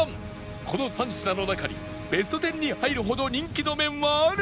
この３品の中にベスト１０に入るほど人気の麺はあるのか？